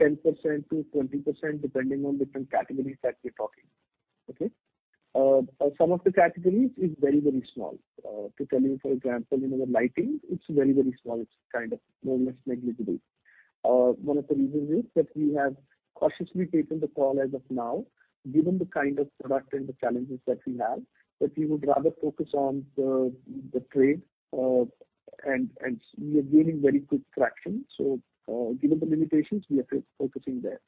10%-20%, depending on different categories that we're talking. Okay? Some of the categories is very, very small. To tell you, for example, you know, the lighting, it's very, very small. It's kind of more or less negligible. One of the reasons is that we have cautiously taken the call as of now, given the kind of product and the challenges that we have, that we would rather focus on the trade, and we are gaining very quick traction. Given the limitations, we are focusing there.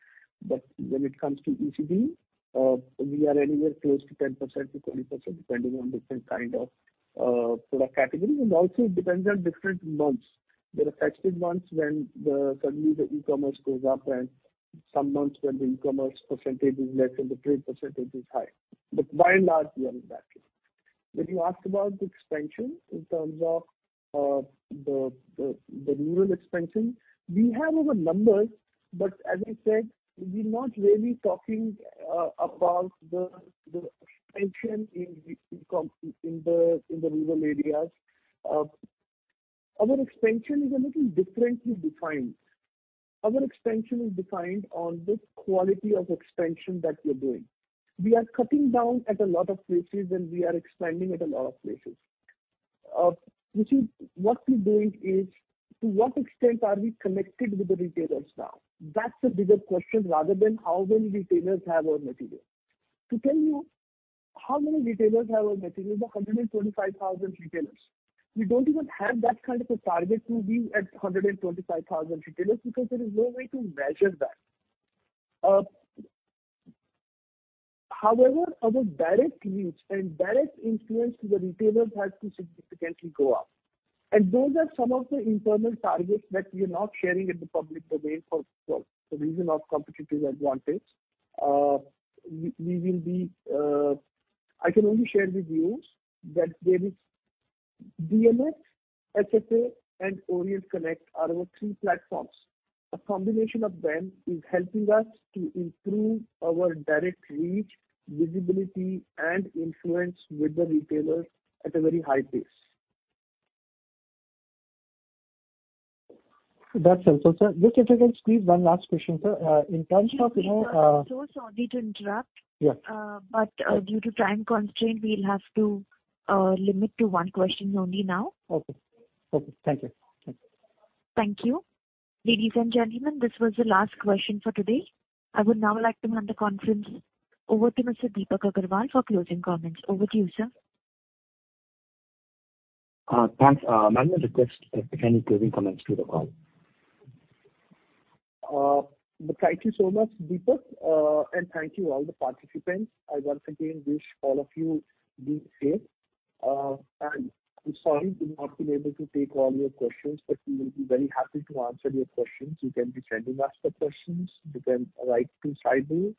But when it comes to ECD, we are anywhere close to 10%-20%, depending on different kind of product category, and also it depends on different months. There are festive months when suddenly the e-commerce goes up, and some months when the e-commerce percentage is less and the trade percentage is high. By and large, we are in that case. When you ask about the expansion in terms of the rural expansion, we have our numbers, but as I said, we're not really talking about the expansion in the rural areas. Our expansion is a little differently defined. Our expansion is defined on the quality of expansion that we're doing. We are cutting down at a lot of places, and we are expanding at a lot of places. What we're doing is, to what extent are we connected with the retailers now? That's the bigger question rather than how many retailers have our material. To tell you how many retailers have our material, the 125,000 retailers. We don't even have that kind of a target to be at 125,000 retailers because there is no way to measure that. However, our direct reach and direct influence to the retailers has to significantly go up. Those are some of the internal targets that we are not sharing with the public today for reason of competitive advantage. I can only share with you that there is DMS, SFA, and Orient Connect are our three platforms. A combination of them is helping us to improve our direct reach, visibility, and influence with the retailers at a very high pace. That's helpful, sir. Just if I can squeeze one last question, sir. In terms of, you know. Charanjit, sorry to interrupt. Yeah. Due to time constraint, we'll have to limit to one question only now. Okay. Thank you. Thank you. Ladies and gentlemen, this was the last question for today. I would now like to hand the conference over to Mr. Deepak Agarwal for closing comments. Over to you, sir. Thanks. May I request any closing comments to the call? Thank you so much, Deepak. Thank you all the participants. I once again wish all of you be safe. I'm sorry for not being able to take all your questions, but we will be very happy to answer your questions. You can be sending us the questions. You can write to Saibal,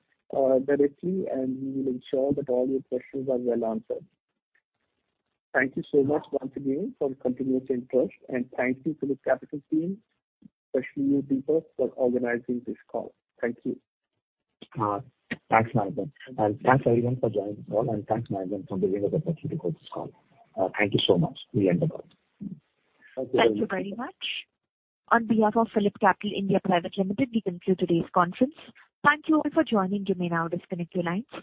directly, and we will ensure that all your questions are well answered. Thank you so much once again for your continuous interest, and thank you to the PhillipCapital team, especially you, Deepak, for organizing this call. Thank you. Thanks, [Nagen]. Thanks, everyone, for joining the call. Thanks, [Nagen], [for giving us opportunity to host] this call. Thank you so much. We end the call. Thank you very much. On behalf of PhillipCapital India Private Limited, we conclude today's conference. Thank you all for joining. You may now disconnect your line.